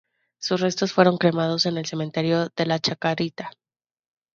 Sus restos fueron cremados en el cementerio de la Chacarita.